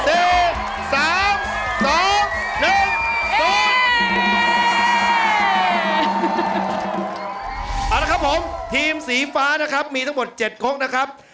เอาละครับผมทีมสีฟ้านะครับมีทั้งหมด๗คนนะครับ